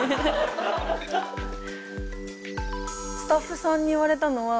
スタッフさんに言われたのは。